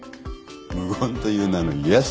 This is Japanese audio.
無言という名のイエス。